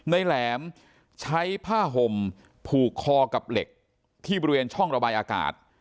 แหลมใช้ผ้าห่มผูกคอกับเหล็กที่บริเวณช่องระบายอากาศ